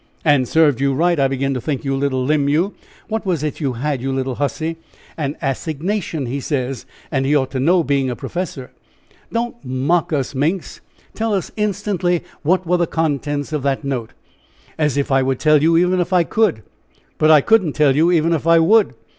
"And served you right, I begin to think, you little limb, you. What was it you had, you little hussy?" "An assignation, he says, and he ought to know being a professor." "Don't mock us, Minx! Tell us instantly what were the contents of that note?" "As if I would tell you even if I could. But I couldn't tell you even if I would.